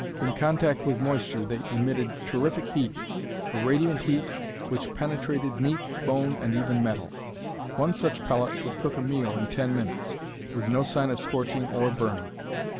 In contact with moisture they emitted terrific heat, a radiant heat which penetrated meat, bone, and even metal. One such pellet would cook a meal in ten minutes, with no sign of scorching or burning.